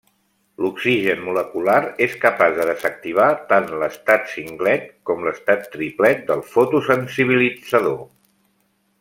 L’oxigen molecular és capaç de desactivar tant l’estat singlet com l’estat triplet del fotosensibilitzador.